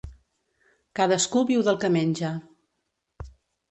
Cadascú viu del que menja.